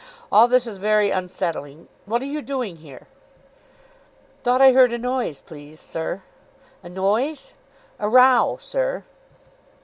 All this is very unsettling. What are you doing here?" "Thought I heard a noise, please, sir." "A noise?" "A row, sir."